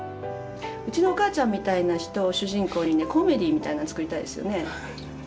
うちのお母ちゃんみたいな人を主人公にねコメディーみたいなのを作りたいですよね。